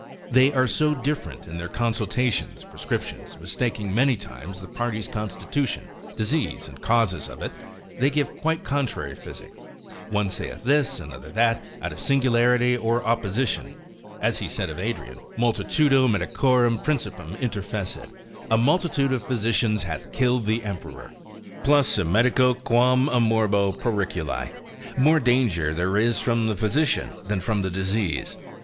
They are so different in their consultations, prescriptions, mistaking many times the parties' constitution, disease, and causes of it, they give quite contrary physic; one saith this, another that, out of singularity or opposition, as he said of Adrian, multitudo medicorum principem interfecit, a multitude of physicians hath killed the emperor; plus a medico quam a morbo periculi, more danger there is from the physician, than from the disease.